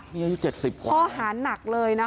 นี่อายุ๗๐กว่าแล้วใช่ไหมคะข้อหาหนักเลยนะคะ